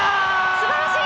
すばらしい！